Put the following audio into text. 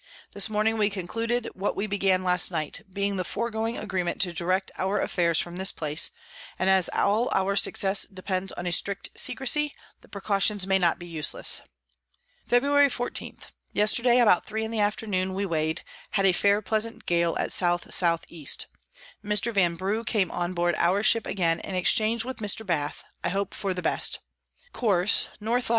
This Morning we concluded what we began last night, being the foregoing Agreement to direct our Affairs from this place; and as all our Success depends on a strict Secrecy, the Precautions may not be useless. [Sidenote: Sailing from the Coasts of Chili.] Febr. 14. Yesterday about three in the Afternoon we weigh'd, had a fair pleasant Gale at S S E. Mr. Vanbrugh came on board our Ship again, and exchang'd with Mr. Bath, I hope for the best. Course N. Lat.